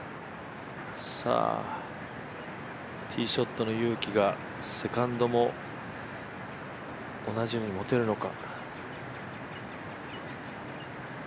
ティーショットの勇気がセカンドも同じように持てるのか。